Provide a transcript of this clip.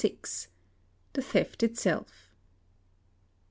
—The theft itself.